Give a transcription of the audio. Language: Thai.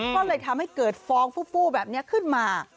ก็เลยทำให้เกิดฟองฟู้แบบนี้ขึ้นมา